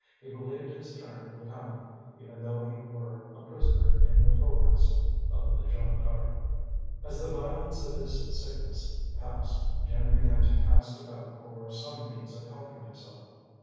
He believed his turn would come, even though he were a prisoner in the fo'cas'le of the Jeanne D'Arc. As the violence of his sickness passed, Jim began to cast about for some means of helping himself.